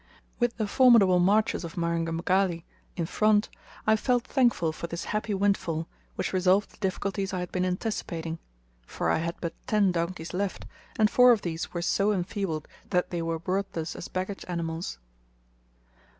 With the formidable marches of Marenga Mkali in front, I felt thankful for this happy windfall, which resolved the difficulties I had been anticipating; for I had but ten donkeys left, and four of these were so enfeebled that they were worthless as baggage animals.